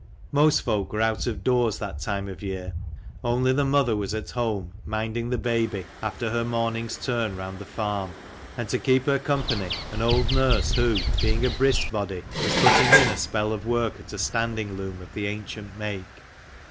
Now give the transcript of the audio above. Most folk were out of doors that time of year; only the mother was at home, minding the baby after her morning's turn round the farm ; and to keep her company, an old nurse who, being a brisk body, was putting in a spell of work at a standing loom of the ancient make.